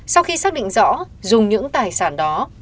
sau khi xác định rõ dùng những tài sản đó